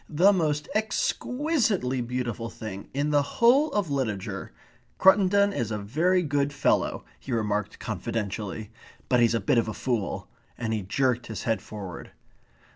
"The most ex qui sitely beautiful thing in the whole of literature.... Cruttendon is a very good fellow," he remarked confidentially. "But he's a bit of a fool." And he jerked his head forward.